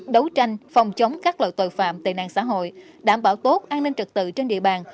đấu tranh phòng chống các loại tội phạm tệ nạn xã hội đảm bảo tốt an ninh trật tự trên địa bàn